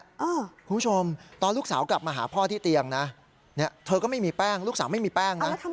คุณผู้ชมตอนลูกสาวกลับมาหาพ่อที่เตียงนะเนี่ยเธอก็ไม่มีแป้งลูกสาวไม่มีแป้งนะ